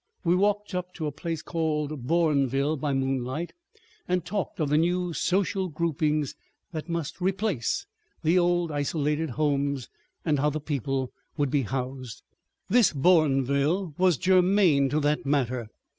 We walked up to a place called Bourneville by moonlight, and talked of the new social groupings that must replace the old isolated homes, and how the people would be housed. This Bourneville was germane to that matter.